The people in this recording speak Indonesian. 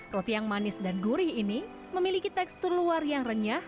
roti yang manis dan gurih ini memiliki tekstur luar yang renyah